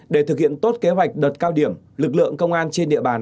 để thực hiện tốt kế hoạch đợt cao điểm lực lượng công an trên địa bàn